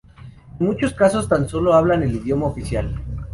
En muchos casos tan solo hablan el idioma oficial.